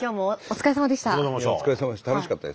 お疲れさまでした。